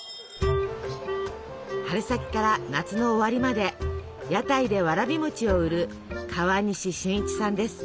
春先から夏の終わりまで屋台でわらび餅を売る川西俊一さんです。